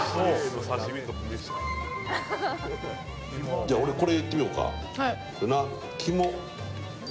じゃあ、俺、これいってみようか、肝。